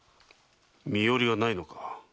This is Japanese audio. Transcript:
身寄りが無いのか？